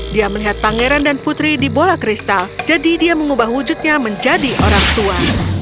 dia melihat pangeran dan putri di bola kristal jadi dia mengubah wujudnya menjadi orang tua